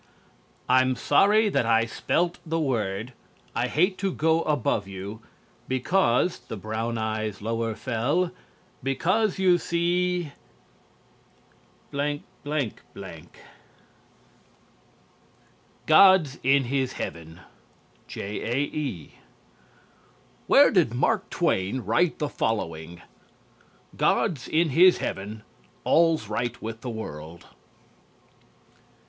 "'I'm sorry that I spelt the word, I hate to go above you, Because ' the brown eyes lower fell, 'Because, you see, .'" "GOD'S IN HIS HEAVEN" J.A.E. Where did Mark Twain write the following? "_God's in his heaven: All's right with the world.